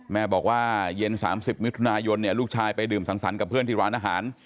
แม่บอกว่าเย็น๓๐มิถุนายนลูกชายไปดื่มสังสรรค์กับเพื่อนที่ร้านอาหาร